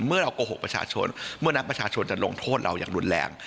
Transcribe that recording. เมื่อเราโกหกประชาชนเมื่อนักประชาชนจะลงโทษเราอย่างรุนแรง